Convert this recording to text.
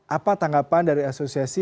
apa tanggapan dari asosiasi